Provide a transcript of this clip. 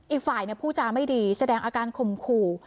อีกฝ่ายเนี่ยผู้จารย์ไม่ดีแสดงอาการขุมขู่